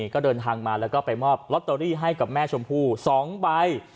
ก็เดินทางมาแล้วก็ไปมอบลอตเตอรี่ให้กับแม่ชมพู่๒ใบ